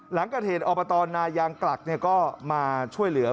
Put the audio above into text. หลังเกิดเหตุอบตนายางกลักก็มาช่วยเหลือ